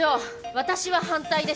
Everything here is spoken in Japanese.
私は反対です。